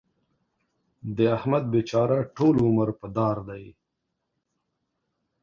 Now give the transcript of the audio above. د احمد بېچاره ټول عمر په دار دی.